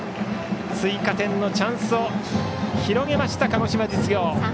追加点のチャンスを広げました鹿児島実業。